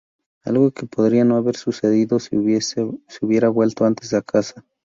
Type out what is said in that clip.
Algo que podría no haber sucedido si hubiera vuelto antes a casa.